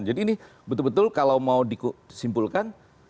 jadi ini betul betul kalau mau disimpulkan